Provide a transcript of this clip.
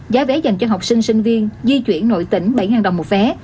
giá vé dành cho học sinh sinh viên di chuyển nội tỉnh bảy đồng một vé